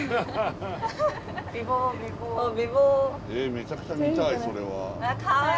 めちゃくちゃ見たいそれは。